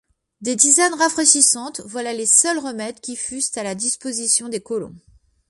Des tisanes rafraîchissantes, voilà les seuls remèdes qui fussent à la disposition des colons.